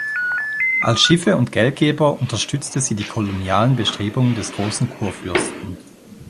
Als Schiffe- und Geldgeber unterstützte sie die kolonialen Bestrebungen des Großen Kurfürsten.